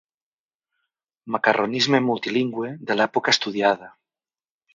«macarronisme» multilingüe de l'època estudiada.